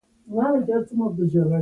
غلا او چور د مجاهدینو لپاره.